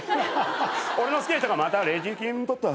俺の好きな人がまたレジ金取った。